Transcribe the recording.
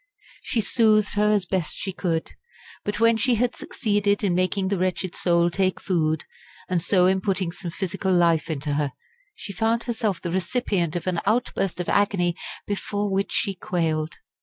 She soothed her as best she could, but when she had succeeded in making the wretched soul take food, and so in putting some physical life into her, she found herself the recipient of an outburst of agony before which she quailed.